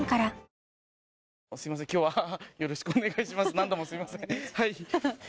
何度もすいません。